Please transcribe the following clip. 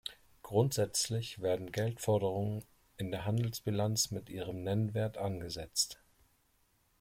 Grundsätzlich werden Geldforderungen in der Handelsbilanz mit ihrem Nennwert angesetzt.